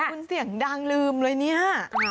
คุณเสียงดังลืมเลยเนี่ย